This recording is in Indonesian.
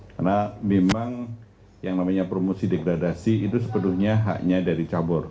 karena memang yang namanya promosi degradasi itu sebetulnya haknya dari cabur